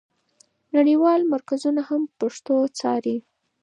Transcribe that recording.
نړیوال مرکزونه هم پښتو څاري.